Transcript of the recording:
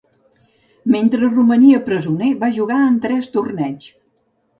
Mentre romania presoner, va jugar en tres torneigs.